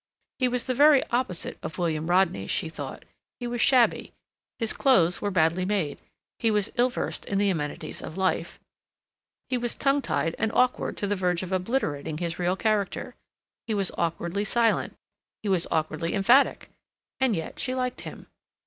He was the very opposite of William Rodney, she thought; he was shabby, his clothes were badly made, he was ill versed in the amenities of life; he was tongue tied and awkward to the verge of obliterating his real character. He was awkwardly silent; he was awkwardly emphatic. And yet she liked him.